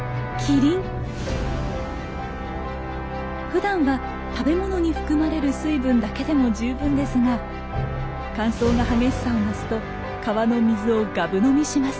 ふだんは食べ物に含まれる水分だけでも十分ですが乾燥が激しさを増すと川の水をがぶ飲みします。